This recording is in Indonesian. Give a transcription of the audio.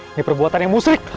ini perbuatan yang musrik